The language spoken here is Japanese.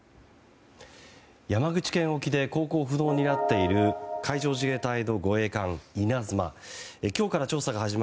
山口県沖で航行不能になっている海上自衛隊の護衛艦「いなづま」。